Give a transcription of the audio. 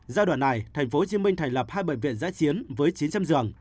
giai đoạn này tp hcm thành lập hai bệnh viện giã chiến với chín trăm linh giường